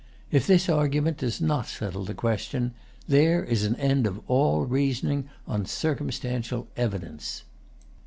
If this argument does not settle the question, there is an end of all reasoning on circumstantial evidence.